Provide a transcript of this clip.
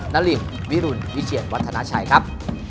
นารินวิรุณวิเชียรวัฒนาชัยครับ